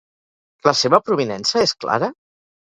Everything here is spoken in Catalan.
La seva provinença és clara?